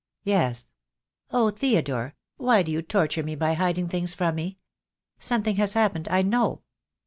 "Yes." "Oh, Theodore, why do you torture me by hiding things from me? Something has happened, I know."